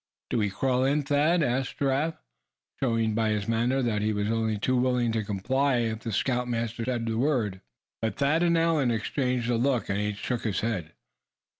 "Do we crawl in, Thad?" asked Giraffe, showing by his manner that he was only too willing to comply, if the scoutmaster said the word. But Thad and Allan exchanged a look, and each shook his head.